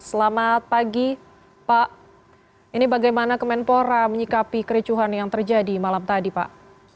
selamat pagi pak ini bagaimana kemenpora menyikapi kericuhan yang terjadi malam tadi pak